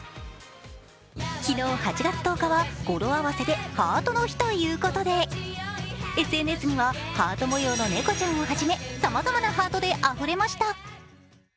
昨日、８月１０日は語呂合わせでハートの日ということでＳＮＳにはハート模様の猫ちゃんをはじめ、さまざまなハートであふれました。